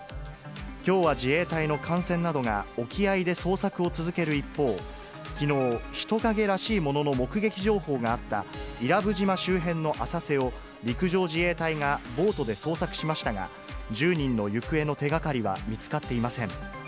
きょうは自衛隊の艦船などが沖合で捜索を続ける一方、きのう、人影らしいものの目撃情報があった伊良部島周辺の浅瀬を、陸上自衛隊がボートで捜索しましたが、１０人の行方の手がかりは見つかっていません。